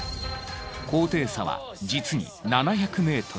高低差は実に７００ｍ。